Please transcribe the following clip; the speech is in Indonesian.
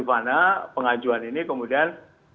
di mana pengajuan ini kemudian